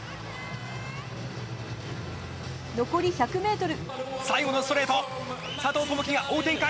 残り１００ｍ。